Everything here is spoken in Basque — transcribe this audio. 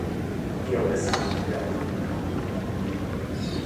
Bi ahulezia aukera bihurtu nahi ditugu.